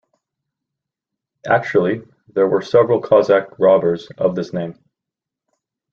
Actually, there were several Cossack robbers of this name.